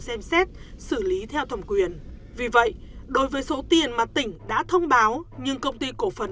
xem xét xử lý theo thẩm quyền vì vậy đối với số tiền mà tỉnh đã thông báo nhưng công ty cổ phần